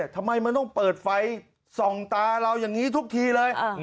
ทำไมมันต้องเปิดไฟส่องตาเราอย่างนี้ทุกทีเลย